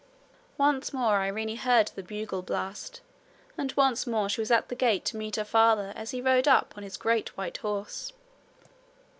Once more Irene heard the bugle blast, and once more she was at the gate to meet her father as he rode up on his great white horse.